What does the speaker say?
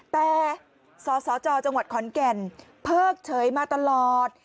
แต่สสจจังหวัดขอนแก่นเพิกเฉยมาตลอด